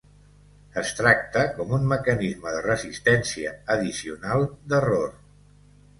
Es tracta com un mecanisme de resistència addicional d'error.